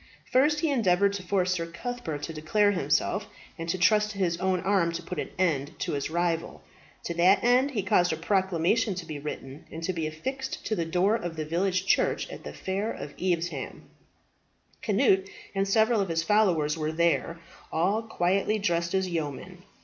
First he endeavoured to force Sir Cuthbert to declare himself, and to trust to his own arm to put an end to his rival. To that end he caused a proclamation to be written, and to be affixed to the door of the village church at the fair of Evesham. Cnut and several of his followers were there, all quietly dressed as yeomen.